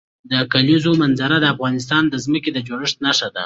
د کلیزو منظره د افغانستان د ځمکې د جوړښت نښه ده.